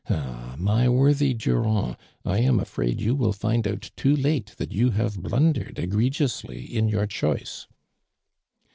Ah ! my worthy Durand, 1 am afraid you will find out too late that you have blundered cgregiously in your choice."